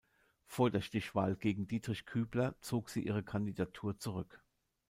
Vor der Stichwahl gegen Dietrich Kübler zog sie ihre Kandidatur zurück.